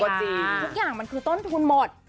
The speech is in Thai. แต่หนุ่มก็จริงทุกอย่างมันคือต้นทุนหมด